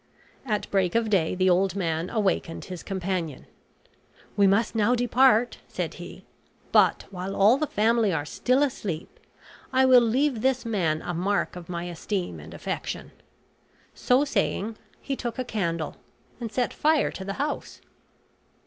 At break of day the old man awakened his companion. "We must now depart," said he, "but while all the family are still asleep, I will leave this man a mark of my esteem and affection." So saying, he took a candle and set fire to the house.